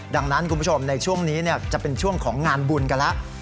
ดังนั้นคุณผู้ชมในช่วงนี้จะเป็นช่วงของงานบุญกันแล้ว